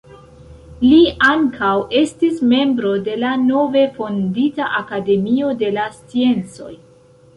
Li ankaŭ estis membro de la nove fondita Akademio de la sciencoj.